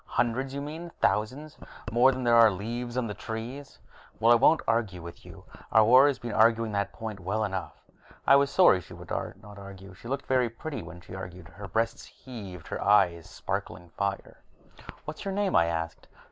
Hundreds, you mean; thousands more than there are leaves on the trees." "Well, I won't argue with you. Our war has been arguing that point well enough." I was sorry she would not argue. She looked very pretty when she argued, her breasts heaving, her eyes sparkling fire. "What's your name?" I asked.